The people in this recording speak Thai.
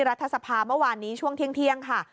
รัฐสภาเมื่อวานนี้ช่วงเที่ยงค่ะ